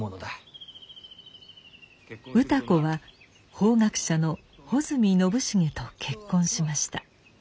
歌子は法学者の穂積陳重と結婚しました。